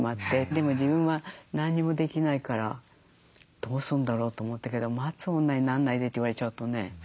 でも自分は何もできないからどうするんだろうと思ったけど「待つ女になんないで」って言われちゃうとね。